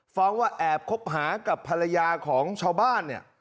ฟ้องว่าแอบคบหากับภรรยาของชาวบ้านเนี่ย